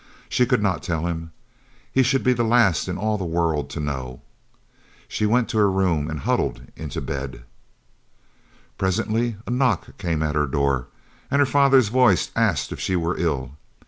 She could not tell him. He should be the last in all the world to know. She went to her room and huddled into bed. Presently a knock came at her door, and her father's voice asked if she were ill.